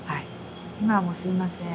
今はもうすみません